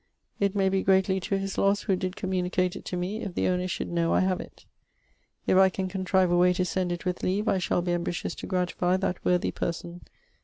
It may be greatly to his losse who did communicate it to me, if the owner should know I have it. If I can contrive a way to send it with leave I shall be ambitious to gratify that worthy person.